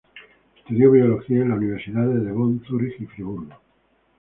Estudió biología en las universidades de Bonn, Zúrich y Friburgo.